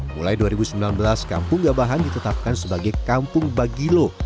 mulai dua ribu sembilan belas kampung gabahan ditetapkan sebagai kampung bagilo